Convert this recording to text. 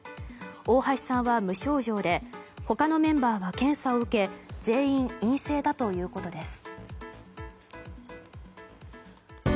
大橋さんは無症状で他のメンバーは検査を受け全員、陰性だということです。